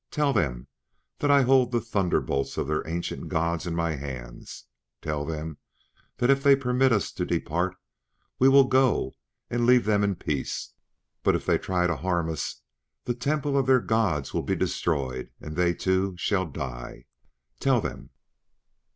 Tell them that I hold the thunderbolts of their ancient gods in my hands. Then tell them if they permit us to depart we will go and leave them in peace. But if they try to harm us, the temple of their gods will be destroyed, and they, too, shall die. Tell them!"